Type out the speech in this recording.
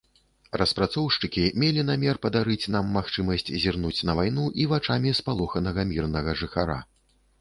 Распрацоўшчыкі мелі намер падарыць нам магчымасць зірнуць на вайну і вачамі спалоханага мірнага жыхара.